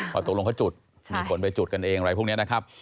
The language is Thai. พอตกลงเขาจุดมีคนไปจุดกันเองอะไรพวกนี้นะครับ